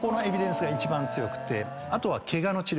あとは。